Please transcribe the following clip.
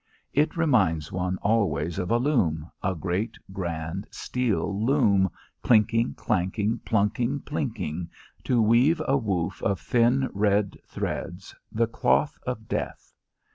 It reminds one always of a loom, a great grand steel loom, clinking, clanking, plunking, plinking, to weave a woof of thin red threads, the cloth of death.